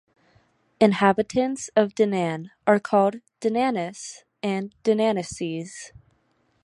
Inhabitants of Dinan are called "dinannais" and "dinannaises".